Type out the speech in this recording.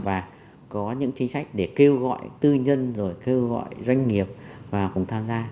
và có những chính sách để kêu gọi tư nhân rồi kêu gọi doanh nghiệp và cùng tham gia